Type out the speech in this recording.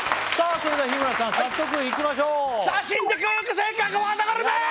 それでは日村さん早速いきましょうヒュー！